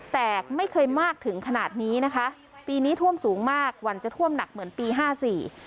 แต่ไม่เคยมากถึงขนาดนี้นะคะปีนี้ท่วมสูงมากวันจะท่วมหนักเหมือนปีห้าสี่